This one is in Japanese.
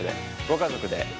ご家族で。